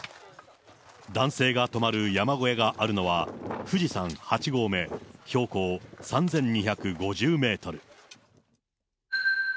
男性が泊まる山小屋があるのは富士山８合目、標高３２５０メートル。